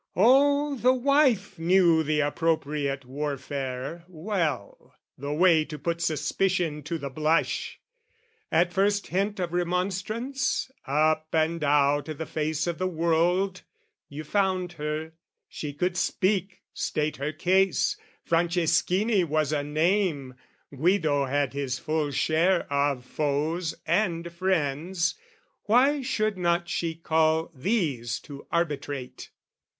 Oh, the wife knew the appropriate warfare well, The way to put suspicion to the blush! At first hint of remonstrance, up and out I' the face of the world, you found her: she could speak, State her case, Franceschini was a name, Guido had his full share of foes and friends Why should not she call these to arbitrate?